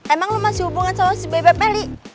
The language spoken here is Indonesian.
emang lo masih hubungan sama si bebeb meli